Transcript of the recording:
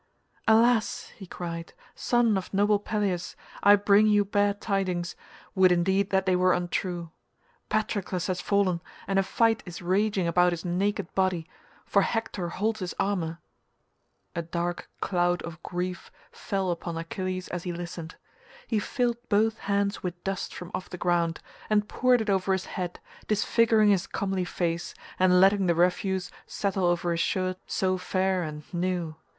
"Alas," he cried, "son of noble Peleus, I bring you bad tidings, would indeed that they were untrue. Patroclus has fallen, and a fight is raging about his naked body—for Hector holds his armour." A dark cloud of grief fell upon Achilles as he listened. He filled both hands with dust from off the ground, and poured it over his head, disfiguring his comely face, and letting the refuse settle over his shirt so fair and new.